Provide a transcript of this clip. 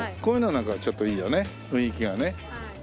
こういうのはなんかちょっといいよね雰囲気がね。